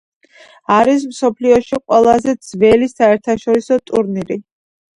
არის მსოფლიოში ყველაზე ძველი საერთაშორისო ტურნირი.